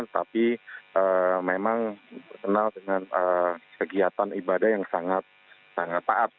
tapi memang kenal dengan kegiatan ibadah yang sangat taat